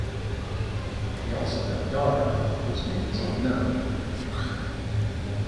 He also had a daughter, whose name is unknown.